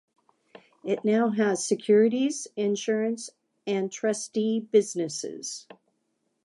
It now has securities, insurance and trustee businesses.